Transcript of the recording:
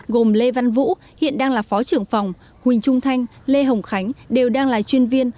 gồm lê văn vũ hiện đang là phó trưởng phòng huỳnh trung thanh lê hồng khánh đều đang là chuyên viên